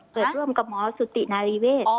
ร่วมกับหมอสุตินารีเวศ